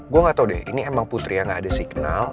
gue gak tau deh ini emang putri yang gak ada signal